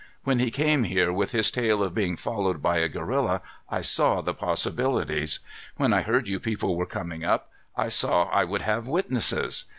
When he came here with his tale of being followed by a gorilla, I saw the possibilities. When I heard you people were coming up, I saw I would have witnesses.